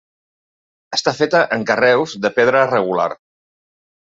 Està feta en carreus de pedra regular.